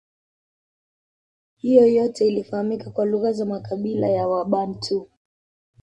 Hiyo yote ilifahamika kwa lugha za makabila ya wabantu